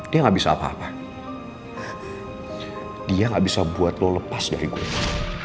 dia nggak bisa apa apa dia gak bisa buat lo lepas dari guru